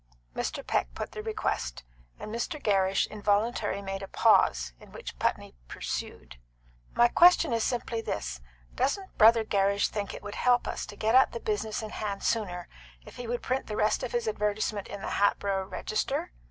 Mr. Peck put the request, and Mr. Gerrish involuntarily made a pause, in which Putney pursued "My question is simply this: doesn't Brother Gerrish think it would help us to get at the business in hand sooner if he would print the rest of his advertisement in the Hatboro' Register?"